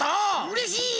うれしい！